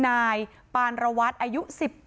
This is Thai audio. นายปานระวัตรอายุ๑๗